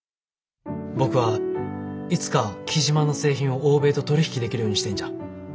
僕はいつか雉真の製品を欧米と取り引きできるようにしたいんじゃ。